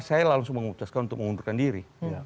saya langsung memutuskan untuk mengundurkan diri